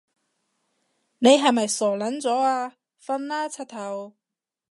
你係咪傻撚咗啊？瞓啦柒頭